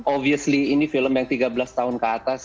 obviously ini film yang tiga belas tahun ke atas